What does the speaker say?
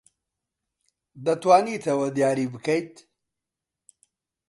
دەتوانیت ئەوە دیاری بکەیت؟